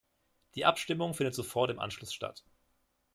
Die Abstimmung findet sofort im Anschluss statt.